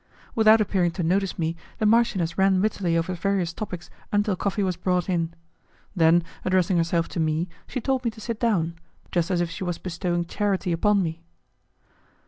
Without appearing to notice me, the marchioness ran wittily over various topics until coffee was brought in. Then, addressing herself to me, she told me to sit down, just as if she was bestowing charity upon me.